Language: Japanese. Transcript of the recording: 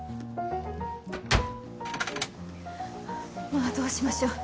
まあどうしましょう。